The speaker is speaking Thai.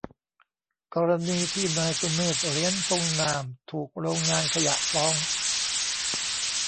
กรณีที่นายสุเมธ เหรียญพงษ์นาม ถูกโรงงานขยะฟ้อง